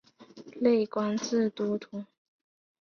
累官至都统。